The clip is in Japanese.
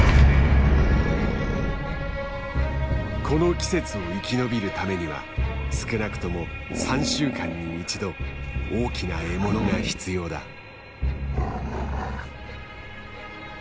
この季節を生き延びるためには少なくとも３週間に一度大きな獲物が必要だ。